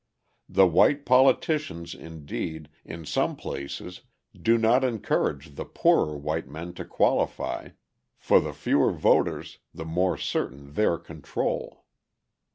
The white politicians, indeed, in some places do not encourage the poorer white men to qualify, for the fewer voters, the more certain their control.